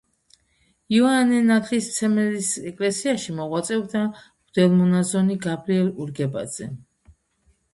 იოანე ნათლისმცემელის ეკლესიაში მოღვაწეობდა მღვდელმონაზონი გაბრიელ ურგებაძე.